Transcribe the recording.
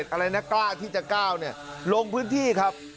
อะไรนะกล้าที่จะก้าวเนี่ยลงพื้นที่ครับ